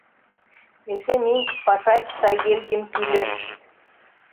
Эше минь Пашай Сайгельдин кюлеш...